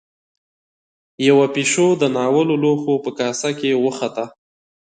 يوه پيشو د ناولو لوښو په کاسه کې وخته.